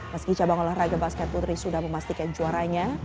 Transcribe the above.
meski cabang olahraga basket putri sudah memastikan juaranya